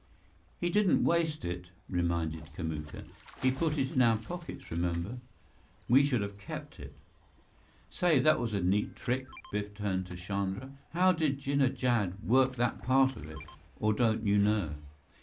"He didn't waste it," reminded Kamuka. "He put it in our pockets, remember? We should have kept it." "Say, that was a neat trick." Biff turned to Chandra. "How did Jinnah Jad work that part of it? Or don't you know?"